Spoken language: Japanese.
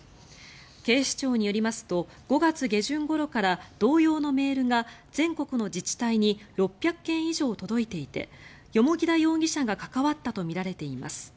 警視庁によりますと５月下旬ごろから同様のメールが全国の自治体に６００件以上届いていて蓬田容疑者が関わったとみられています。